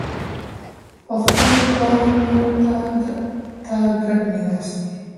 پښتو دواړو لورو ته ګډ میراث دی.